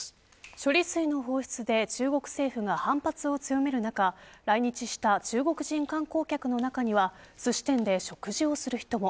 処理水の放出で中国人が反発を強めるなか来日した中国人観光客の中にはすし店で食事をする人も。